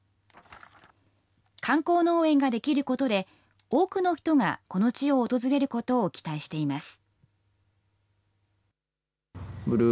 観光農園ができることで、多くの人がこの地を訪れることを期待しています。